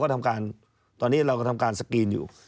ทำการตอนนี้เราก็ทำการสกรีนอยู่